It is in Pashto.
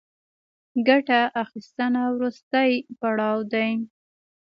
ګټه اخیستنه وروستی پړاو دی